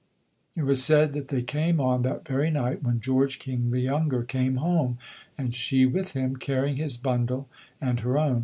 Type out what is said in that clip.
It was said that they came on that very night when George King the younger came home, and she with him, carrying his bundle and her own.